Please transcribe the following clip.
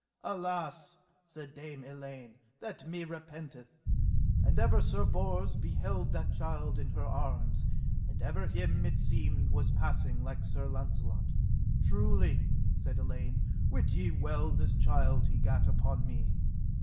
Alas, said Dame Elaine, that me repenteth. And ever Sir Bors beheld that child in her arms, and ever him seemed it was passing like Sir Launcelot. Truly, said Elaine, wit ye well this child he gat upon me.